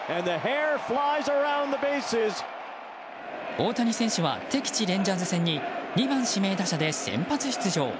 大谷選手は敵地レンジャーズ戦に２番指名打者で先発出場。